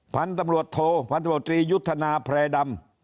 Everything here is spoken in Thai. พันธุ์ตำรวจโทพันธบตรียุทธนาแพร่ดำ